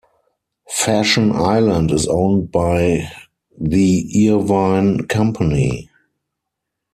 Fashion Island is owned by The Irvine Company.